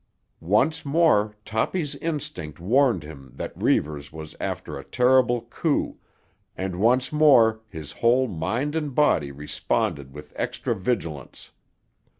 Once more Toppy's instinct warned him that Reivers was after a terrible coup, and once more his whole mind and body responded with extra vigilance.